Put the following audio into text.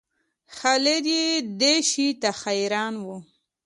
خالد یې دې شي ته حیران و.